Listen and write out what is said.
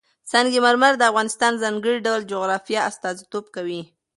سنگ مرمر د افغانستان د ځانګړي ډول جغرافیه استازیتوب کوي.